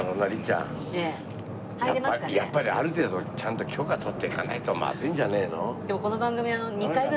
やっぱりある程度ちゃんと許可取って行かないとまずいんじゃねえの？